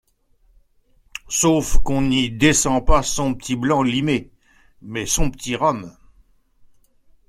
Sauf qu’on n’y descend pas son petit blanc limé, mais son petit rhum.